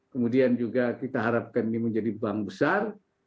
kemudian juga kita harapkan ini menjadi bank besar